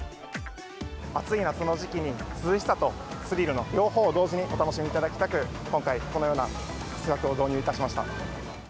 暑い夏の時期に、涼しさとスリルの両方を同時にお楽しみいただきたく、今回このような企画を導入いたしました。